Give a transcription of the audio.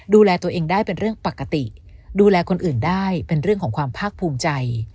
ดูแลตัวเองได้เป็นเรื่องปกติดูแลคนอื่นได้เป็นเรื่องของความภาคภูมิใจ